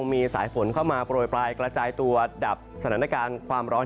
มีสายฝนเข้ามาโปรยปลายกระจายตัวดับสถานการณ์ความร้อน